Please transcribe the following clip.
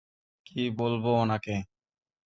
কী বলব উনাকে?